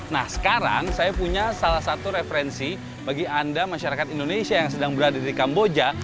nah sekarang saya punya salah satu referensi bagi anda masyarakat indonesia yang sedang berada di kamboja